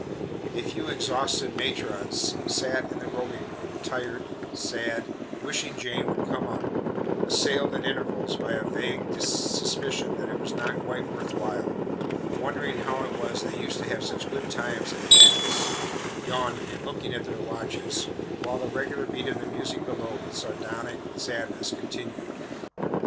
A few exhausted matrons sat in the robing room, tired, sad, wishing Jane would come up; assailed at intervals by a vague suspicion that it was not quite worth while; wondering how it was they used to have such good times at balls; yawning, and looking at their watches; while the regular beat of the music below, with sardonic sadness, continued.